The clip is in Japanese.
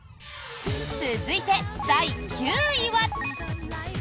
続いて、第９位は。